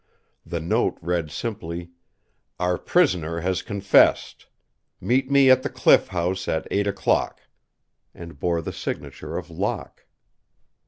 The note read simply: "Our prisoner has confessed. Meet me at the Cliff House at eight o'clock," and bore the signature of Locke.